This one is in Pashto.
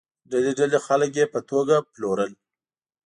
ډلې ډلې خلک یې په توګه پلورل.